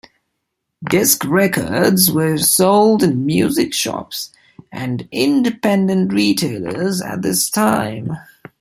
Disc records were sold in music shops and independent retailers at this time.